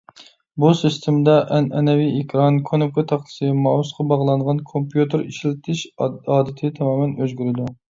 بۇ سىستېمىدا ئەنئەنىۋى ئېكران، كۇنۇپكا تاختىسى، مائۇسقا باغلانغان كومپيۇتېر ئىشلىتىش ئادىتى تامامەن ئۆزگىرىدۇ.